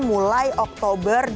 mulai oktober dua ribu dua puluh